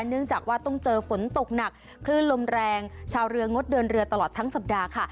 เนื่องจากว่าต้องเจอฝนตกหนักคลื่นลมแรงชาวเรืองดเดินเรือตลอดทั้งสัปดาห์ค่ะ